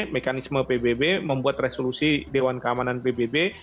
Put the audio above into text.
mekanisme pbb membuat resolusi dewan keamanan pbb